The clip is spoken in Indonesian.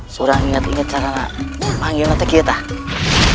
surah ingat ingat cara manggilnya teh kira kira